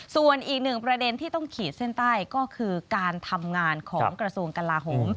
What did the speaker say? ส่วนอีกหนึ่งประเด็นที่ต้องขีดเส้นใต้ก็คือการทำงานของกระทรวงกลาโหม